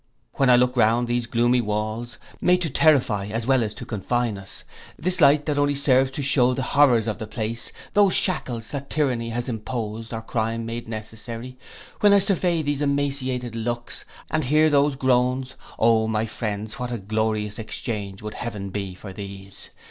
When I look round these gloomy walls, made to terrify, as well as to confine us; this light that only serves to shew the horrors of the place, those shackles that tyranny has imposed, or crime made necessary; when I survey these emaciated looks, and hear those groans, O my friends, what a glorious exchange would heaven be for these.